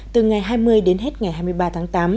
từ ngày hai mươi đến hết ngày hai mươi ba tháng tám